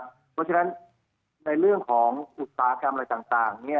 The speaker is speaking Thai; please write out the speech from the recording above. เพราะฉะนั้นในเรื่องของอุตสาหกรรมอะไรต่าง